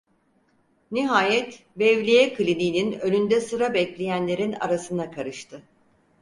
Nihayet "Bevliye" kliniğinin önünde sıra bekleyenlerin arasına karıştı.